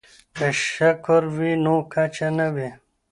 که شکر وي نو کچه نه وي.